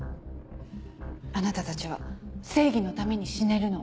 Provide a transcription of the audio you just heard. あなたたちは正義のために死ねるの。